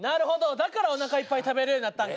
だからおなかいっぱい食べれるようなったんか。